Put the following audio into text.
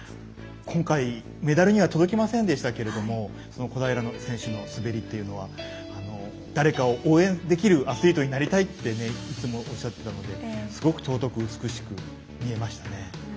今回、メダルには届きませんでしたけれども小平選手の滑りというのは誰かを応援できるアスリートになりたいっていつもおっしゃっていたのですごく尊く美しく見えました。